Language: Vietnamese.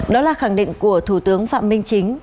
đó là khẳng định của thủ tướng phạm minh chính